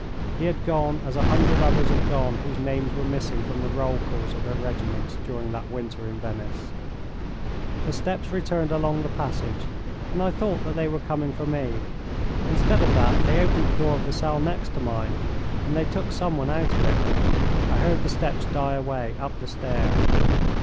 He had gone as a hundred others had gone whose names were missing from the roll calls of their regiments during that winter in Venice. The steps returned along the passage, and I thought that they were coming for me. Instead of that they opened the door of the cell next to mine and they took someone out of it. I heard the steps die away up the stair.